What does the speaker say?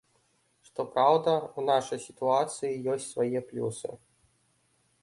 Што праўда, у нашай сітуацыі ёсць свае плюсы.